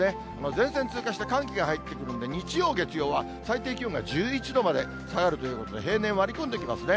前線通過して寒気が入ってくるんで、日曜、月曜は最低気温が１１度まで下がるというふうに、平年を割り込んできますね。